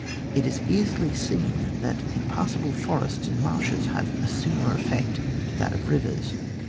It is easily seen that impassable forests and marshes have a similar effect to that of rivers.